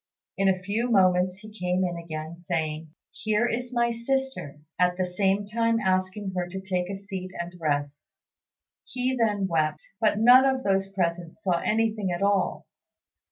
In a few moments he came in again, saying, "Here is my sister," at the same time asking her to take a seat and rest. He then wept; but none of those present saw anything at all.